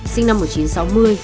sinh năm một nghìn chín trăm sáu mươi